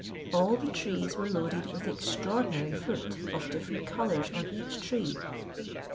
All the trees were loaded with extraordinary fruit, of different colours on each tree.